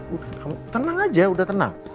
udah kamu tenang aja udah tenang